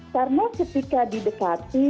karena ketika didekati